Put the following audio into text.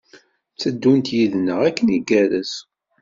Tteddunt yid-neɣ akken igerrez.